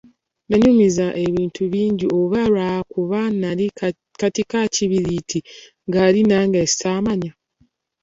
Yannyumizanga ebintu bingi oba lwakuba nnali kati ka kibiriiti gy'ali, nange ssaamanya.